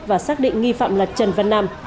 và xác định nghi phạm là trần văn nam